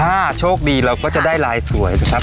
ถ้าโชคดีเราก็จะได้ลายสวยนะครับ